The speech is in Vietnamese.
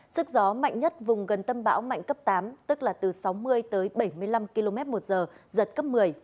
sức gió mạnh nhất vùng gần tâm bão mạnh cấp tám tức là từ sáu mươi tới bảy mươi năm km một giờ giật cấp một mươi